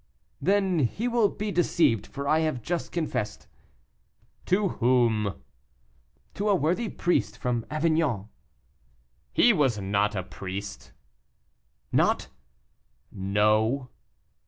"Then he will be deceived, for I have just confessed." "To whom?" "To a worthy priest from Avignon." "He was not a priest." "Not!" "No."